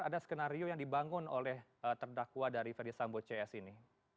ada skenario yang dibangun oleh terdakwa dari ferdisambo cs ini